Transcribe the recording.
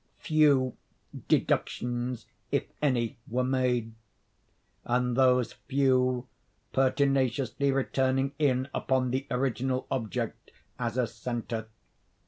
Few deductions, if any, were made; and those few pertinaciously returning in upon the original object as a centre.